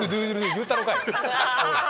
いうたろかい。